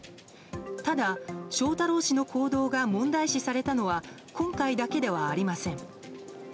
ただ、翔太郎氏の行動が問題視されたのは今回だけではありません。